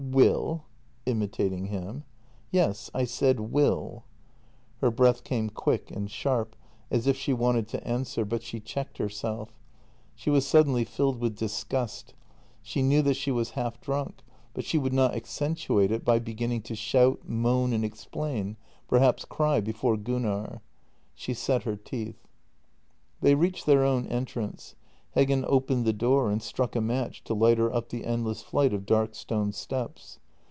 " Will "— imitating him. " Yes; I said will." Her breath came quick and sharp, as if she wanted to answer, 26 o JENNY but she checked herself. She was suddenly filled with disgust — she knew that she was half drunk, but she would not ac centuate it by beginning to shout, moan, and explain — perhaps cry, before Gunnar. She set her teeth. They reached their own entrance. Heggen opened the door and struck a match to light her up the endless flight of dark stone steps.